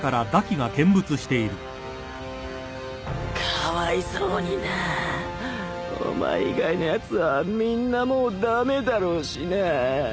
かわいそうになぁ。お前以外のやつはみんなもう駄目だろうしなぁ。